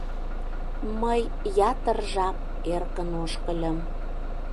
Мый ятыр жап эркын ошкыльым.